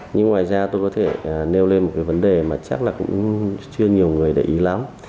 nhưng ngoài ra tôi có thể nêu lên một cái vấn đề mà chắc là cũng chưa nhiều người để ý lắm